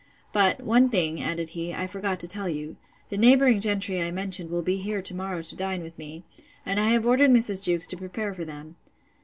But, one thing, added he, I forgot to tell you: The neighbouring gentry I mentioned will be here to morrow to dine with me, and I have ordered Mrs. Jewkes to prepare for them.